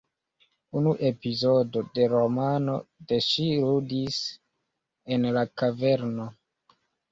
Unu epizodo de romano de ŝi ludis en la kaverno.